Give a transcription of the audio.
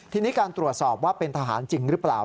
ทีนี้การตรวจสอบว่าเป็นทหารจริงหรือเปล่า